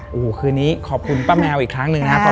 โอ้โหคืนนี้ขอบคุณป้าแมวอีกครั้งหนึ่งนะครับ